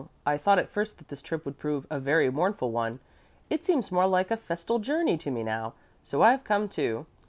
I thought at first that this trip would prove a very mournful one. It seems more like a festal journey to me now, so I've come, too.